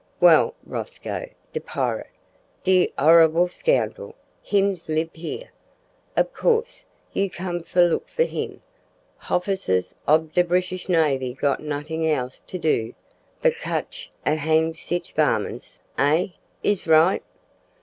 Well, Rosco de pirit, de horroble scoundril, hims lib here. Ob course you come for look for him. Hofficers ob de Brish navy got notting else to do but kotch an' hang sitch varmints. Eh? I's right?"